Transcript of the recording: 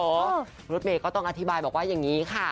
รถเมย์ก็ต้องอธิบายบอกว่าอย่างนี้ค่ะ